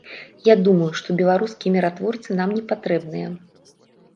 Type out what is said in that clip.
Я думаю, што беларускія міратворцы нам не патрэбныя.